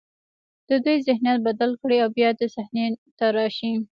د دوی ذهنیت بدل کړي او بیا صحنې ته راشي.